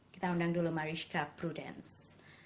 kita undang dulu mariska prudence